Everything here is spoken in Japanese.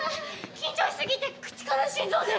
緊張し過ぎて口から心臓出そう。